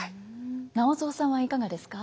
直三さんはいかがですか？